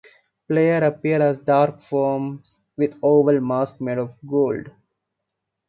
Players appear as dark forms with oval masks made of gold.